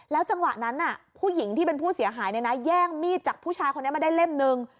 จังหวะนั้นผู้หญิงที่เป็นผู้เสียหายแย่งมีดจากผู้ชายคนนี้มาได้เล่มนึง